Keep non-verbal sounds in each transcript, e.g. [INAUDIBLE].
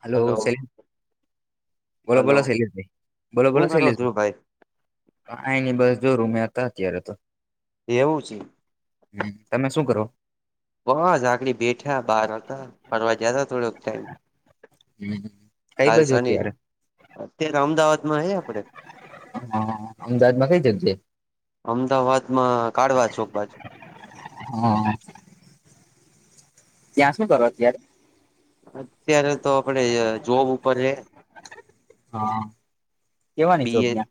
Hello સેન બોલો hello બોલો શૈલેષભાઈ બોલો હું બોલો કરો શૈલેષભાઈ. ધ્રુવભાઈ આ એની બસ જોરું મેં હતા અત્યારે તો. એવું છે. હમ તમે શું કરો. બહઝાકડી બેઠા બહાર હતા ફરવા જતા થોડોક ટાઈમ. [INAUDIBLE] બાજુ કાલસાની રે અત્યારે અત્યારે અમદાવાદ માં હે આપડે. હા અમદાવાદ માં કઈ જગ્યાએ. અમદાવાદ માં કાળવા ચોક બાજુ. હમ. ત્યાં શું કરો અત્યારે. અત્યારે તો આપડે જોબ ઉપર રે હા કેવાની બી એ [UNINTELLIGIBLE]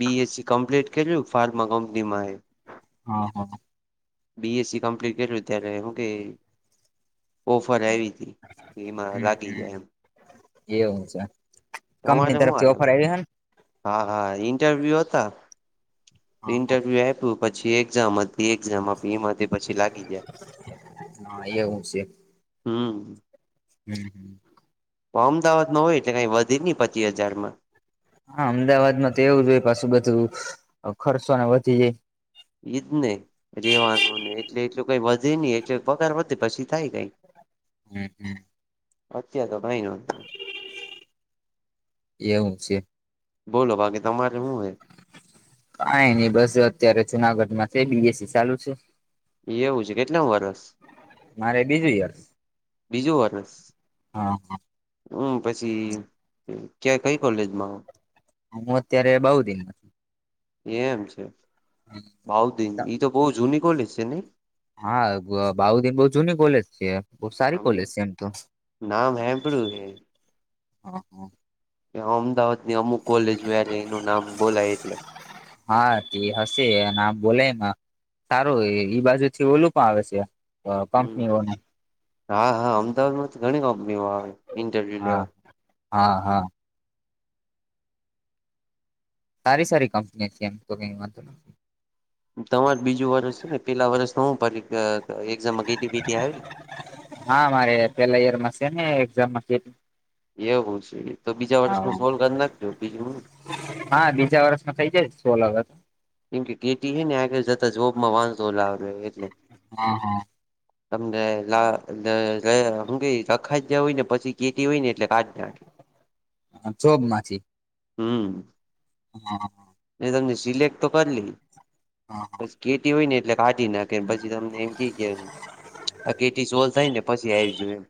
બીએસસી કમ્પ્લીટ કર્યું ફારમા કંપનીમાં એ. હા. બીએસસી કમ્પ્લીટ કર્યુ ત્યારે હુ કેય ઓફર આયવીતી. હમ હમ એવું છે કંપની તમારે હું તરફથી હાલે ઓફર બા? આયવી હન. હા હા ઇન્ટરવ્યુ હતા હા હા. ઇન્ટરવ્યુ આપ્યું પછી એક્ઝામ હતી. એ એક્ઝામ આપી એમાથી પછી લાગી જાય. હા, એવું છે હમ હમ. અમદાવાદમાં હોય એટલે કઈ વધી નઈ પચ્ચી હજારમાં. હા અમદાવાદમાં તો એવું જો હોય પાછું બધું ખર્ચોને વધી જાય. ઈદને. અજી એ વાંધો નઈ એટલે એટલું કઈ વધે નહી એટલે પગાર વધે પછી થાય કઈ. હમ હમ. અત્યાર તો ભાઈ નો [UNINTELLIGIBLE] એવું છે બોલો બાકી તમારે હુ હોય. કાંઈ નઈ બસ અત્યારે જુનાગઢ માં છે બીએસસી ચાલુ છે. એવું છે કેટલા વરસ. મારે બીજું યર્સ. બીજું વર્ષ. હા હા. હમ પછી ક્યાં કઈ કોલેજમાં. હું અત્યારે બઉદિનમાં. એમ છે બઉદિન ઈ તો બહુ જૂની કોલેજ છે નહી. હા બાઉદીન બઉ જૂની કોલેજ છે. બો સારી અમે કોલેજ છે એમ તો. નામ સાંભળ્યું અમદાવાદ ની અમુક કોલેજ હારે એનું નામ બોલાય એટલે. હા તે હશે આમ બોલાય સારું ઈ બાજુ થી ઓલું પણ આવે શે. હમ કંપનીઓની હા હા અમદાવાદમાં તો ઘણી કંપનીઓ આવે ઇન્ટરવ્યુ હા લેવા. હા હા. તારી સારી કંપની છે એમ તો કઈ વાંધો તમાર બીજું વર્ષ છે ને પેલાં વર્ષનો હું પરી એક્ઝામમાં કેટીવિટી આવેલી. હા મારે પેલા યર માં શે ને એકઝામમાં કે એવું છે તો બીજા વર્ષનું સોલ્ કર નાખજો બીજું હું. હા બીજા વર્ષમાં થઇ જાય સોલ હવે. કેમ કે કેટી હેને આગડ જતા જોબમાં વાંધો ન આવે એટલે હા હા. તમને લા ગયા હુ કેય લખાઈ જ હોય ને પછી કેતી હોય ને એટલે કાજ નાખે જોબ હમ. હમ. મે તમને સિલેક્ટ તો કરી લીધી. હા. પસ કેેતી હોય ને એટલે કાઢી નાખ કેમ પછી તમને એમ ક કે આ કેટી સોલ્ થાય ને પછી આવીજોય એમ.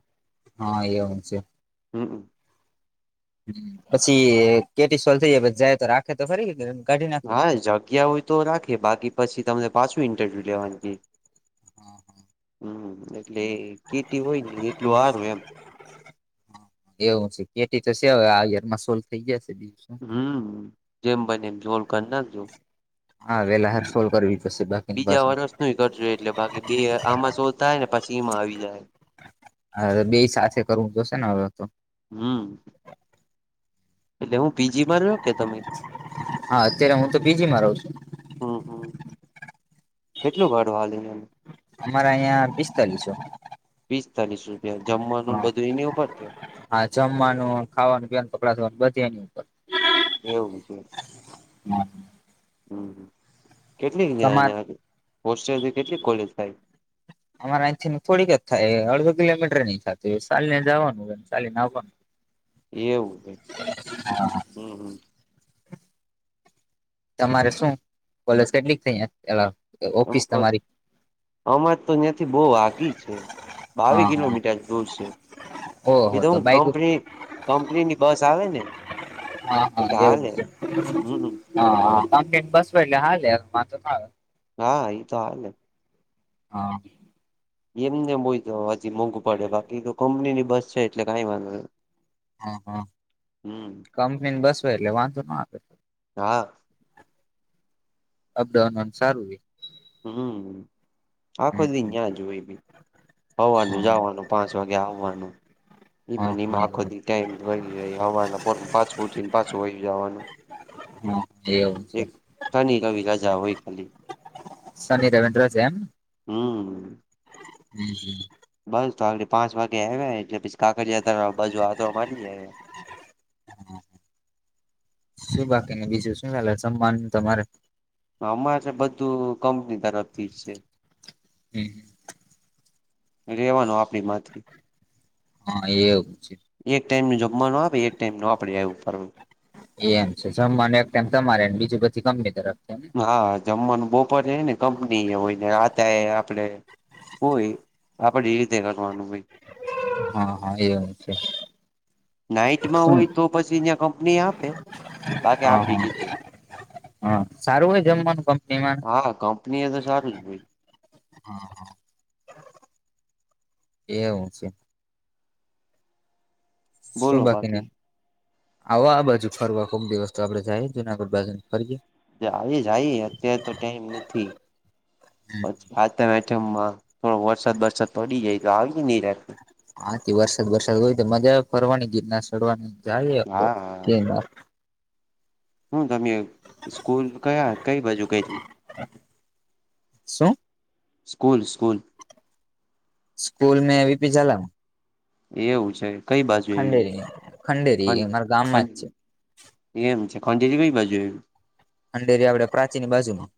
હા એ આવ છે. હમ હમ. પછી કેટી સોલ થઈ જાય પછી જાય તો રાખે તો ફરી એમ. હા જગ્યા હોય તો રાખે બાકી પછી તમને પાછું ઇન્ટરવ્યુ લેવાનું કે. હા હા. હમ એટલે કેતી હોય ને એટલું હારું એમ. એવું છે કેટી તો છેવે આ યર માં સોલ્ થઈ ગયા છે બીજું શું. હમ જેમ બને એમ જોલ કરી નાખજો. હા વેલા હાર સોલ કરવી પડશે બાકીની બાસુ કરજ એટલે બાકી બે આમાં શોધથાય ને પછી એમાં આવી જાય. હારવે બે સાથે કરવું જોશે ને હવે તો. હમ. એટલે હું પીજી મારયો હા અત્યારે હું તો પીજીમાં રહું છું. હમ હમ કેટલું ભાડું હાલે યાનું. અમારા અહિયાં પિસ્તાલીસો. પિસ્તાલીસ રૂપિયા જમવાનું હા બધું એની ઉપર કે. હા જમવાનું ખાવાનું પીવાનું કપડા ધોવાનું બધી એની ઉપર. એવું છે. હ. હમ હમ કેટલી ન્યા તમાર ન્યા હોસ્ટેલ થી કેટલી કોલેજ થાય. અમારા આહીંથી ન થોડીક જ થાય અડધો કિલોમીટર ની થતી સાલી ન જવાનુંન ચાલીન આવવાનું. એવું એમ. હા. હમ હમ. તમારે શું કોલેજ કેટલીક થઈ ઓફિસ તમારી. અમાર જ તો યાથી બહુ આઘી છે બાવી હા હા કિલોમીટર દૂર છે. ઓહો એ તો હું બાઈક કંપની કંપનીની બસ આવે ને. હા હા એટલે એવું હાલે છે હમ હાહા કંપનીન બસ હોયન એટલે હાલે વાંધો ન આવે. હા ઈ તો હાલેન. હા. એમને બય તો હજી મોંઘું પડે બાકી તો કંપનીની બસ છે એટલે કઈ વાંધો હ હા હમ કંપની ને બસ હોય એટલે વાંધો ના આવે. હા. અપડાઉનન સારું રે. હમ આ હમ ખોદી ન્યાજ હોય ભી. હવારનું હા જાવાનું પાંચ વાગે આવવાનું હા ઈમન હા ઈમાં આખો એવું દી ટાઈમ વહી જઈ હવારના પોરમાં પાછું ઉઠી ન પાછું વય જવાનું. હમ એવું છે. એક શનિ રવિ રજા હોય ખાલી. શનિ રવિ ની રજા એમ. હમ. હમ હમ. બસ તો આગલી પાંચ વાગે આવે એટલે પછી કાકરિયા તળાવ બાજુ આંટો મારી જાય હવે. હું. શું બાકી ને બીજું શું ચાલે સમાન તમારે? અમારે બધું કંપની તરફ થી છે. હું. રહેવાનું આપણી માંથી. હા એવું છે. એક ટાઈમ નો જમવાનો આપે એક ટાઈમ નો આપડી ઉપર હોય. એમ છે, જમવાનું એક ટાઈમ તમારેને બીજું પછી કંપની ની તરફ છે ને. હા જમવાનું બપોરે છે, ને કંપની એ હોય ને રાતે એ આપણે હોય આપણે રીતેે કરવાનું હોય. હા, હા એમ છે. નાઈટમાં શું હોય તો પછી કંપની આપે બાકી હા આપડી હા રીતે. હા સારું હોય જમવાનું કંપનીમાં? હા કંપની એ તો સારું જ હોય. હા. એ હું છે. શું બોલો બાકીના. બાકી. આવો આ બાજુ ફરવા કોક દિવસ તો આપડે જાઈએ જુનાગઢ બાજુને ફરીએ. હજી જન જાય અત્યારે તો ટાઈમ નથી. પછી સાતમ- આઠમમાં થોડો વરસાદ બરસાદ પડી જાય તો આવી સારું ને નિરાંત હાથી વરસાદ વરસાદ હોય તો મજા ફરવાની ગીરના ચડવાની જાય હા. ગીરનાર. હું તમે સ્કૂલ કયા કઈ બાજુ કઈ હતી. શું. School, school. સ્કૂલ મે પી જાલા. એવું છે, કંઈ બાજુ આવી. ખંડેરી ખંડેરી મારા ગામમાં જ છે એમ છે, ખંડેરી કંઈ બાજુ આવું. ખંડેરી આપડે પ્રાચીની બાજુમાં.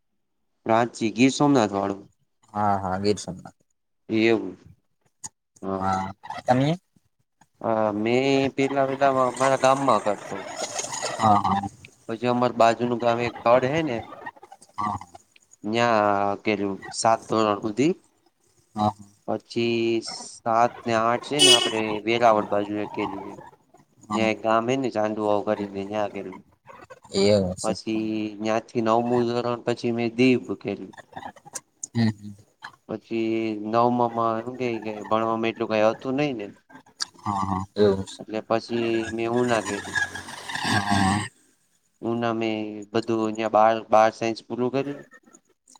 પ્રાચી ગીર સોમનાથ વાળું. હા હા ગીર સોમનાથ. એવું હ, હા. તમે? હા મેં પેલા વેલા મારા ગામમાં કરતો. હા, હા. પછી અમાર બાજુ ન ગામમે એક સ્થળ હે ને ન્યા કરું સાત સુધી. હા, હા. પછી સાત ને આઠ છે, ને આપણે વેરાવળ બાજુએ કે જોએ. હા ત્યાં એક ગમે ને ચાંદુ આવ કરીનેં કરું એવું હશે પછી ત્યાં થી નવમું ધોરણ પછી મેં દીવ કરુ હમ હમ પછી નવ માં એમ કે ભણવામાં એટલું કઈ હતું નઈ ને. હા, હા એવું. હશે એટલે પછી મેં હું લાગે. હા, હા. ઉનામે બધું બાર સાયન્સ પૂરું કર્યું.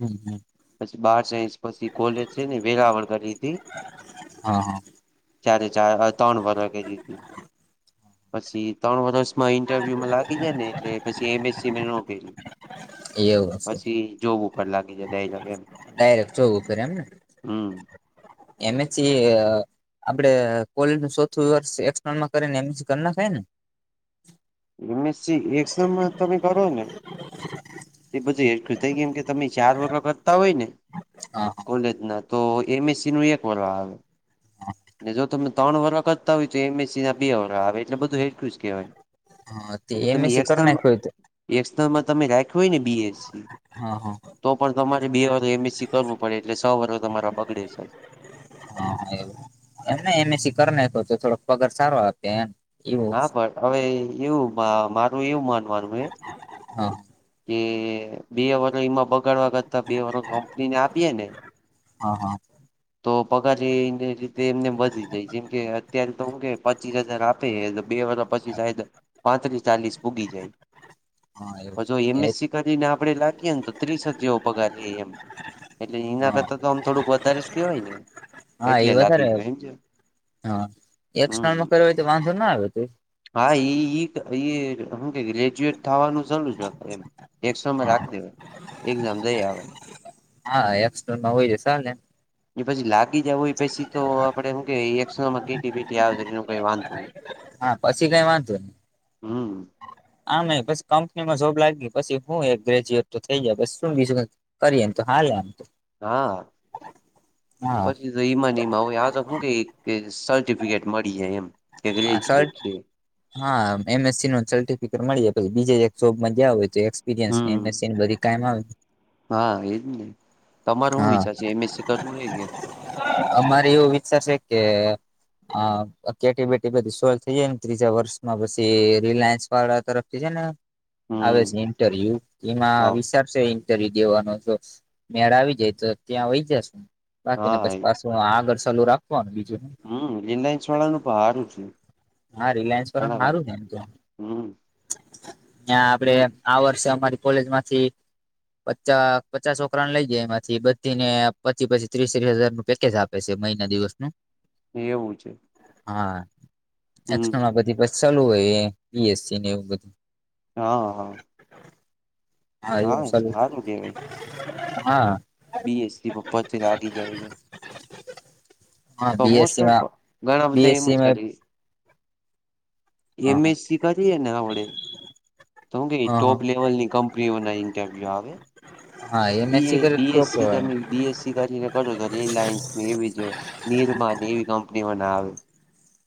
હું, હું. પછી બાર સાસ પછી કોલેજ છે ને વેગ વળ કરીધી. હા હા. ચાર ચાર તણ વર્ષ કરી. પછી ત્રણ વર્ષમાં ઈન્ટરવ્યુમાં લાગી જાય ને એટલે પછી એમએસસી મે નો કયરુ એવું હશે પછી [UNINTELLIGIBLE] ડાયરેક્ટ જોવું પડે એમ ને હમ એમ એસ સી આપડે કોલેજ નું ચોથું વર્ષમાં કરીને એકસટનલ કરી એમએસસી કરી નાખાય ને? એમએસસી એક સેમમાં તમે કરો ને એ બધું હે થાય કેમ કે જો તમે ચાર વારહ કરતા હોય ને હા કોલેજ ના તો એમએસસી નું એક વરહ આવે. ને જો તમે ત્રણ વરહ કરતા હોય તો એમએસસી ના બે વરહ આવે એટલે બધું હેરખુશ કહેવાય. હા તે એટલે તમે એમએસસી કરી નાખ્યું હતું એ એસ્નલમાં તમે રાખ્યું હોય ને બીએસસી હા હા તો પણ તમારે બે વાર એમએસસી કરવું પડે એટલે છ વર્ષ તમારા બગડે છે. હા એવું. એમ એમએસસી કરનાખે તો તો થોડોક પગાર સારો આપે એમ. એવું હા પણ હવે એવું મારું એવું માનવાનું હે. હા કે બે વરહ એમાં બગાડવા કરતા બે વરહ કંપનીને આપીએે ને હા હા તો પગાર એ રીતે એમનેમ વધી જાય જેમ કે અત્યારે તો હું કે પચીસ હજાર આપ આપ બે વર્ષ પછી સાહે પાંત્રીસ ચાલીસ પુગી જાય. હા હ એવું જો એ એમએસસી કરીને આપણે લાગીએ ને તો ત્રીસક જેવો પગાર હે એમ. એટલે ઈના હા કરતા તો આમ થોડુંક વધારે જ કેહેવાય ને હા એટલે એ લાગી વધારે જાય એમ છે હ હમ એકસટનલમાં કર્યું હોય તો વાંધો ના આવે ત હા એ હું કે ગ્રેજ્યુએટ થવાનું સારું જ એમ. એકસટનલમાં હા રાખી દેવા એકજામ દઇ અવાય. હા એક્સટનલમાં હોય જાય શાલે- એ પછી લાગી જઇ પછી તો આપડે શું કે એકસટનલમાં કેટી પીટી આવે છે એ કઈ વાંધ હા પછી કઈ વાંધો નઇ હમ આમ કંપનીમાં જોબ લાગીઈ પછી હું એક ગ્રેજ્યુટ તો થઈ ગયા શું બીજું કરીએ ઈમ તો હાલે હા હા પછી તો માંને એમાં હુ આ તો કે સર્ટિફિકેટ મળી જાય એમ. કે અસટ ગ્રેજ્યુએટ છે હા એમએસસી નો સર્ટિફિકેટ મળી જાય પછી બીજે એક જોબમાં જયા હોય તો હમ આવે હા એજ ની તમારે શું હા વિચાર છે એમએસસી કરવું હે કે? અમારે એવું વિચાર છે કે કેટી બે એ બધું સોલ્વ થઈ જાય ને ત્રીજા વર્ષમાં પછી રિલાયન્સ વાળા તરફથી જ ને આવે હમ છે ને ઇન્ટરવ્યુ એમાં હા વિ ઇન્ટરવ્યુ દેવાનો મેળ આવી જાય તો ત્યાં વય જશુ બાકીને હા બસ એ પા તો આગળ સાલું રાખવા બીજું હમ રિલાયન્સ વાળાનું બવ હારું છે. હા રિલાયન્સ વાળા ઘણા સારું છે એમ તો હમ ત્યાં આપડે હમ આ વર્ષે અમારી કોલેજમાંથી પચા પચાસ છોકરાને લઈ જાય એમાંથી બધી ને પચી પચી ત્રીસેક હજાર નું પેકેજ આપે પછી મહિના દિવસ નું એવું છે. હા હમ એક્સનલ હમ પછી ચાલુ હોય બીએસી ને એવું બધું હા હા એવ ચાલુ સારું કેવાય હોય હા બી એસીમા પચ લાગી જ હમણાં મોસ્ટ ઓફ બીએસસીમાં ઘણા બધા એવુ જ બીએસસીમાં કરે. હા એમએસસી કરીએે ને આપડે. તો બી હા ટોપ હા લેવલના કંપનીના ઇન્ટરવ્યૂ આવે. હા બી એ એમએસસી કરે તો બીએસસી કેવાય તમે બીએસસી કરીને કરો તો રિલાયન્સની એવી જ નિર્માની એવી કંપનીમા ના આવે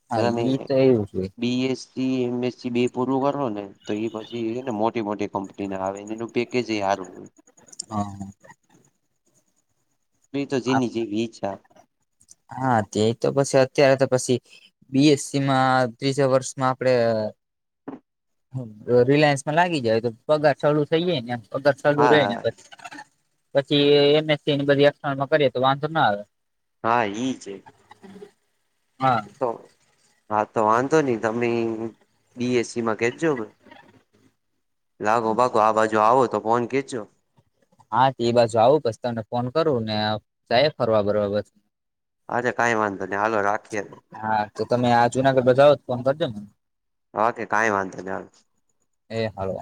હા બધા ઈ તો એવું છે બીએસ સી એમ એસ બે પૂરું કરો ને તો એ પછી ને મોટી મોટી કંપનીના આવે એનું પેકેજ હારું હોય. હા. બી તો જીની જેવી ઈચ્છા. હા તે તો પછી અત્યારે તો પછી બીએસસી માં ત્રીજા વર્ષમાં આપણે હ રિલાયન્સ માં લાગી જાય તો પગાર ચાલુ થઇ જાય ન એમ પગાર ચાલુ રેયને હા પછી પછી એમએસસી બધી એક્સટર્નલ માં કરીએ તો વાંધો ના આવે. હા ઈ. હા. તો હા તો વાંધો નહી તમે બી એસીમાં કહેજો. લાગો બાગો આ બાજુ આવો તો ફોન કે હા તે એ બાજુ આવું પછી તમને ફોન કરું ને જાયે ફરવા બરવા બધ હાજે કાંઈ વાંધો નઈ હાલો રાખીએ. હા તો તમે આ જુનાગઢ જાવો તો ફોન કરજો ન ઓકે કઈ વાંધો હાલો. એ હારુ.